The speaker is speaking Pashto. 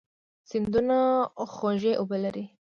سیندونه خوږې اوبه لري.